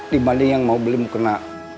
dibanding yang mau beli mukena